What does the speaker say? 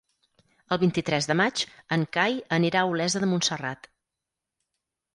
El vint-i-tres de maig en Cai anirà a Olesa de Montserrat.